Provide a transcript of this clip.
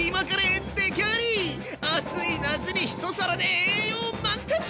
暑い夏に一皿で栄養満点！